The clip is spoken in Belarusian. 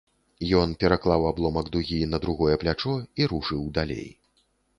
Ён пераклаў абломак дугі на другое плячо і рушыў далей.